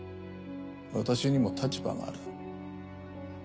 私にも立場がある。